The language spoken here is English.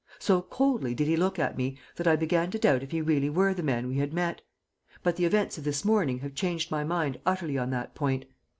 So coldly did he look at me that I began to doubt if he really were the man we had met; but the events of this morning have changed my mind utterly on that point.